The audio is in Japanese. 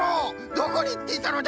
どこにいっていたのだ！？